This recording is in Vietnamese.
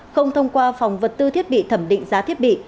không thông qua phòng vật tư thiết bị thẩm định giá thiết bị